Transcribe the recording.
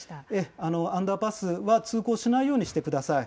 アンダーパスは通行しないようにしてください。